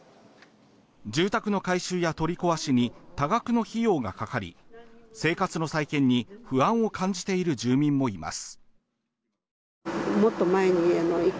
住宅の改修や取り壊しに多額の費用がかかり生活の再建に不安を感じている住民もいます。